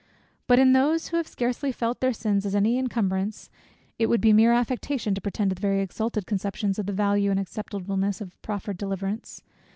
But in those who have scarcely felt their sins as any incumbrance, it would be mere affectation to pretend to very exalted conceptions of the value and acceptableness of the proffered deliverance.